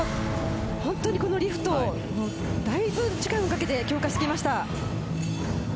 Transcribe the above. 本当にこのリフト、だいぶ時間をかけて強化していました。